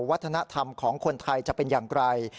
วัฒนธรรมของคนไทยจะเป็นอย่างไร